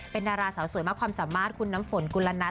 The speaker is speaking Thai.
เป็นดาราสาวสวยมากความสามารถคุณน้ำฝนกุลนัท